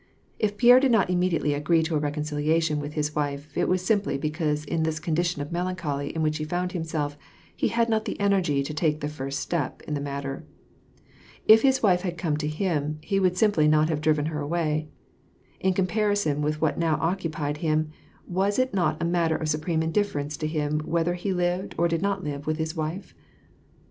If Pierre did not immedi ately agree to a reconciliation with his wife, it was simply because in this condition of melancholy in which he found himself, he had not the energy to take the first step in the matter. If his wife had come to him, he would simply not have driven her away. In comparison with what now occu pied him, was it not a matter of supreme indifference to him whether he lived or did not live with his wife